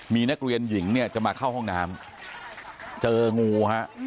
มีนักเรียนหญิงเนี่ยจะมาเข้าห้องน้ำเจองูฮะ